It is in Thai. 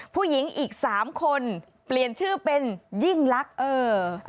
ผู้หญิงอีกสามคนเปลี่ยนชื่อเป็นยิ่งลักษณ์เออ